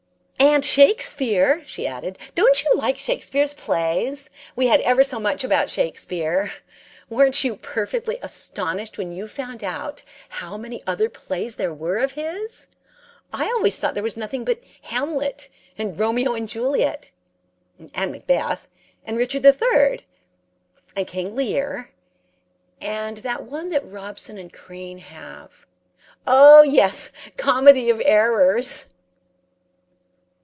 "'And Shakespere,' she added. 'Don't you like Shakespere's plays?... We had ever so much about Shakespere. Weren't you perfectly astonished when you found out how many other plays there were of his? I always thought there was nothing but "Hamlet," and "Romeo and Juliet," and "Macbeth," and "Richard III.," and "King Lear," and that one that Robson and Crane have oh, yes, "Comedy of Errors!"'"